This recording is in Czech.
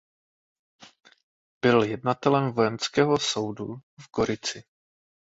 Byl jednatelem vojenského soudu v Gorici.